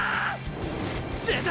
出た！！